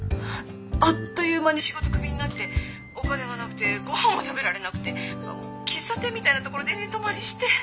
あっという間に仕事クビになってお金がなくてごはんも食べられなくて喫茶店みたいなところで寝泊まりして。